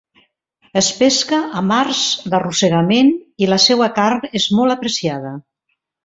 Es pesca amb arts d'arrossegament i la seua carn és molt apreciada.